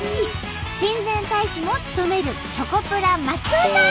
親善大使も務めるチョコプラ松尾さん！